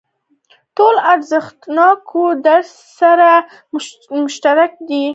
ټول ارزښتونه یې درسره مشترک دي.